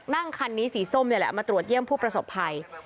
นั่งคันนี้สีส้มนี่แหละมาตรวจเยี่ยมผู้ประสบภัย